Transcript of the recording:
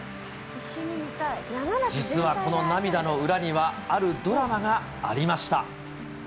実はこの涙の裏には、あるドラマがありました。